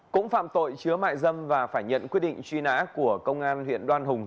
cũng phạm tội chứa mại dâm và phải nhận quyết định truy nã của công an huyện đoan hùng